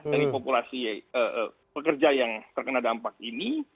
dari populasi pekerja yang terkena dampak ini